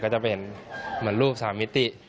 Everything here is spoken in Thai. ก็จะเป็นเหมือนรูป๓มิติ